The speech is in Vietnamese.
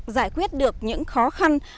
giải quyết được những khó khăn